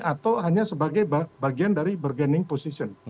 atau hanya sebagai bagian dari bergening position